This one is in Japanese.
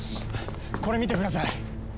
これ見てください！